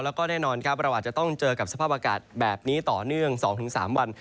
แล้วก็แน่นอนครับเราอาจจะต้องเจอกับสภาพอากาศแบบนี้ต่อเนื่อง๒๓วัน